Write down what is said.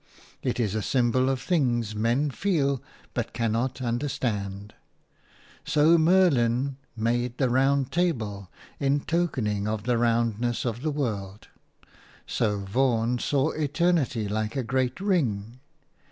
It is a symbol of things men feel but cannot understand; so Merlin "made the round table in tokening of the roundness of the world"; so Vaughan saw eternity "like a great Ring."